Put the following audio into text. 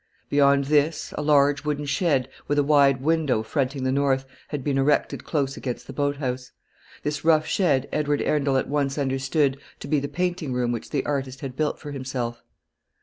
Beyond this, a large wooden shed, with a wide window fronting the north, had been erected close against the boat house. This rough shed Edward Arundel at once understood to be the painting room which the artist had built for himself.